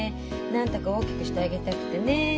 なんとか大きくしてあげたくてねえ。